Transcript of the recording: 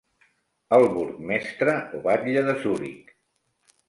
El burgmestre o batlle de Zuric.